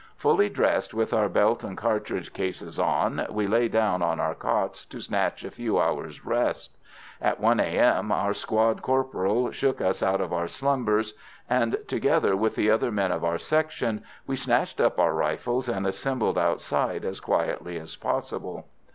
Fully dressed, with our belt and cartridge cases on, we lay down on our cots to snatch a few hours' rest. At 1 A.M. our squad corporal shook us out of our slumbers, and, together with the other men of our section, we snatched up our rifles and assembled outside as quietly as possible.